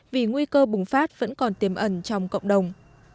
vì nguy cơ bùng phát vẫn còn tiềm ẩn trong cộng đồng